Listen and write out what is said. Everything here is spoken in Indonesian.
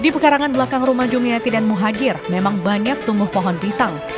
di pekarangan belakang rumah jumiati dan muhajir memang banyak tumbuh pohon pisang